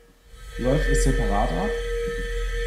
Läuft es separat ab?